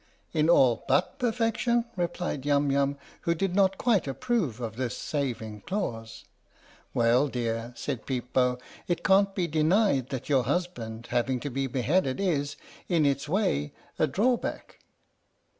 " In all but perfection?" replied Yum Yum, who did not quite approve of this saving clause. "Well, dear," said Peep Bo, "it can't be denied that your husband having to be beheaded is, in its way, a drawback."